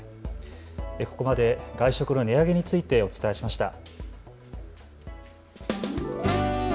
ここまで外食の値上げについてお伝えしました。